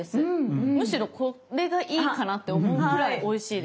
むしろこれがいいかなって思うくらいおいしいです。